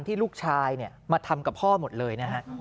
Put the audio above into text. ที่ลูกชายมาทำกับพ่อหมดเลยนะฮะ